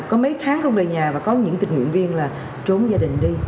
có mấy tháng không về nhà và có những tình nguyện viên là trốn gia đình đi